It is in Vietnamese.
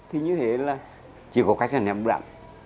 thì như thế là chỉ có cách là ném đạn